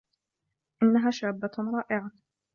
إنّها شابّة رائعة.